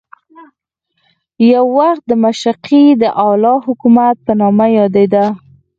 یو وخت د مشرقي د اعلی حکومت په نامه یادېده.